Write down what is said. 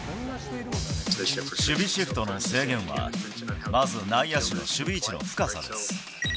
守備シフトの制限は、まず内野手の守備位置の深さです。